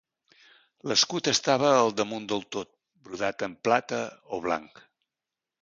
L'escut estava al damunt del tot brodat en plata o blanc.